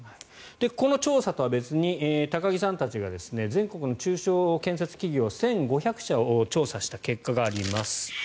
この調査とは別に高木さんたちが全国の中小建設企業１５００社を調査した結果があります。